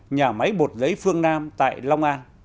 nhà máy bột lấy phương nam tại long an